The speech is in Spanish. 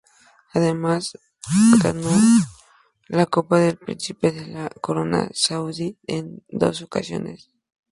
Además ganó la Copa del Príncipe de la Corona Saudí en dos ocasiones.